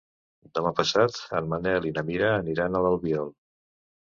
Demà passat en Manel i na Mira aniran a l'Albiol.